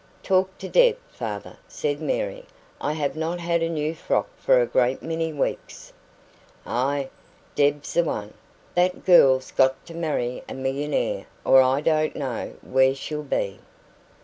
"Talk to Deb, father," said Mary. "I have not had a new frock for a great many weeks." "Aye, Deb's the one! That girl's got to marry a millionaire, or I don't know where she'll be."